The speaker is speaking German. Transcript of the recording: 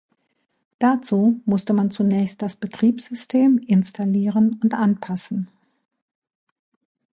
Dazu musste man zunächst das Betriebssystem installieren und anpassen.